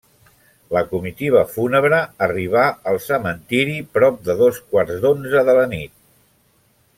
La comitiva fúnebre arribà al cementiri prop de dos quarts d'onze de la nit.